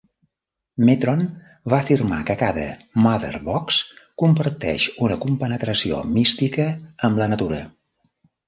Metron va afirmar que cada Mother Box comparteix "una compenetració mística amb la natura".